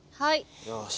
よし。